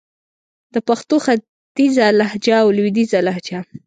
د پښتو ختیځه لهجه او لويديځه لهجه